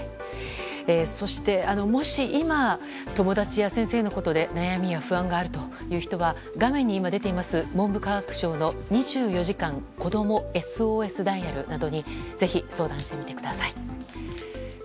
そして、もし今友達や先生のことで悩みや不安があるという人は画面に出ています文部科学省の２４時間子供ＳＯＳダイヤルなどにぜひ、相談してみてください。